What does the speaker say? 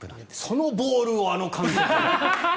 そのボールをあの監督は。